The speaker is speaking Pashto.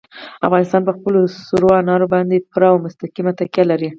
افغانستان په خپلو سرو انارو باندې پوره او مستقیمه تکیه لري.